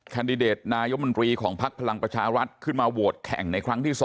แดดนายมนตรีของพักพลังประชารัฐขึ้นมาโหวตแข่งในครั้งที่๒